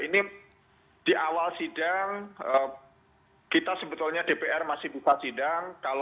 ini di awal sidang kita sebetulnya dpr masih buka sidang